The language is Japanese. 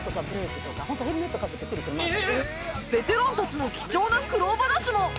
ベテランたちの貴重な苦労話も